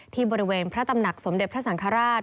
ที่บริเวณพระตำหนักสมเด็จพระสังฆราช